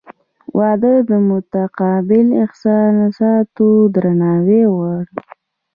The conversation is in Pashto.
• واده د متقابل احساساتو درناوی غواړي.